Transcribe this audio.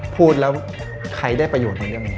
พูดแล้วใครได้ประโยชน์ตรงนี้